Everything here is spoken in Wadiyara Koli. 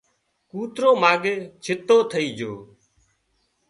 ڪوترو ماڳئي ڇتو ٿئي جھو